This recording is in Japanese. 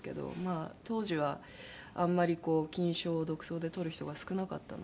あ当時はあんまり金賞を独奏でとる人が少なかったので